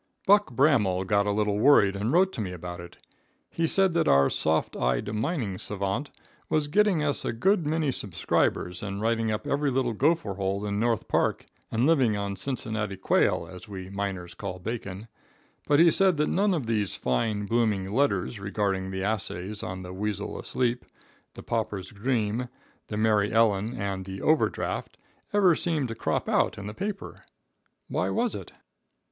Buck Bramel got a little worried and wrote to me about it. He said that our soft eyed mining savant was getting us a good many subscribers, and writing up every little gopher hole in North Park, and living on Cincinnati quail, as we miners call bacon; but he said that none of these fine, blooming letters, regarding the assays on "The Weasel Asleep," "The Pauper's Dream," "The Mary Ellen" and "The Over Draft," ever seemed to crop out in the paper. Why was it?